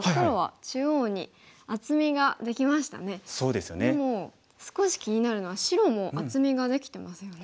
でも少し気になるのは白も厚みができてますよね。